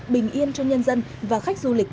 bình yên cho nhân dân và khách du lịch